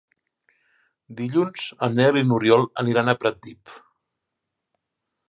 Dilluns en Nel i n'Oriol aniran a Pratdip.